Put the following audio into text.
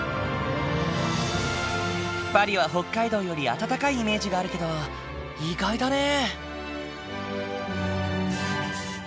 パリは北海道より暖かいイメージがあるけど意外だね。